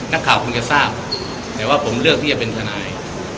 นักข่าวคงจะทราบแต่ว่าผมเลือกอย่าเป็นธนาย